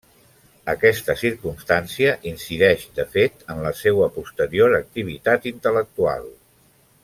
Aquesta circumstància incideix, de fet, en la seua posterior activitat intel·lectual.